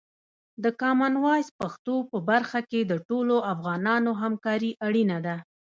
د کامن وایس پښتو په برخه کې د ټولو افغانانو همکاري اړینه ده.